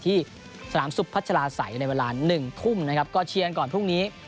ที่สนามสุบปัจฉราสัยในวการ๑ทุ่มนะครับก็เชียร์กันก่อนพรุ่งนี้